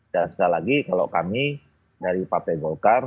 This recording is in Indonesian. dan sekali lagi kalau kami dari pak p golkar